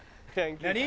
何？